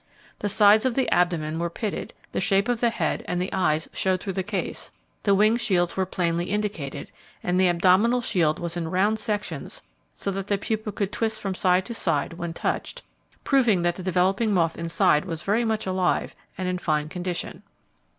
The sides of the abdomen were pitted; the shape of the head, and the eyes showed through the case, the wing shields were plainly indicated, and the abdominal shield was in round sections so that the pupa could twist from side to sid when touched, proving that the developing moth inside was very much alive and in fine condition.